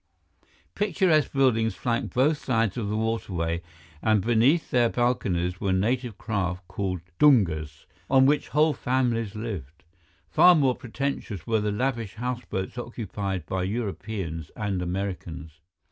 Picturesque buildings flanked both sides of the waterway, and beneath their balconies were native craft called dungas, on which whole families lived. Far more pretentious were the lavish houseboats occupied by Europeans and Americans.